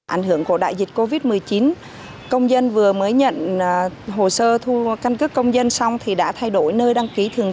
ảnh hưởng của đại dịch covid một mươi chín công dân vừa mới nhận hồ sơ thu căn cước công dân xong thì đã thay đổi nơi đăng ký thường trú